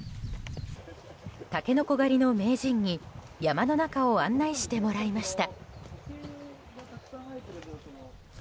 タケノコ狩りの名人に山の中を案内してもらいました。